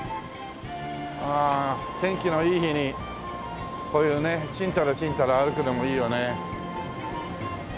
ああ天気のいい日にこういうねちんたらちんたら歩くのもいいよね。